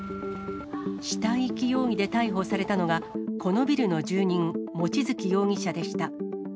死体遺棄容疑で逮捕されたのが、このビルの住人、望月容疑者でした。